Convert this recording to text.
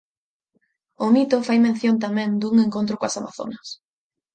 O mito fai mención tamén dun encontro coas amazonas.